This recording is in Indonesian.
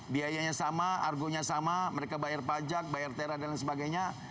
biayanya sama argonya sama mereka bayar pajak bayar tera dan lain sebagainya